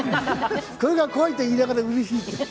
「それが怖い」と言いながらうれしいっていう。